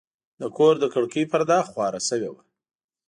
د کور د کړکۍ پرده خواره شوې وه.